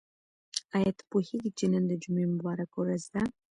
آیا ته پوهېږې چې نن د جمعې مبارکه ورځ ده؟